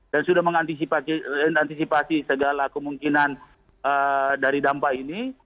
dan sudah mengantisipasi segala kemungkinan dari dampak ini